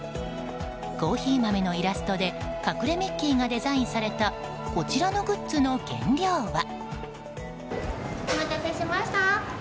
コーヒー豆のイラストで隠れミッキーがデザインされたこちらのグッズの原料は？